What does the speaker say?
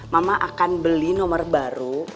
mama akan beli nomor baru